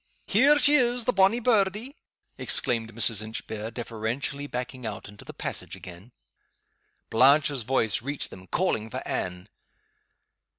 Here she is, the bonny birdie!" exclaimed Mrs. Inchbare, deferentially backing out into the passage again. Blanche's voice reached them, calling for Anne.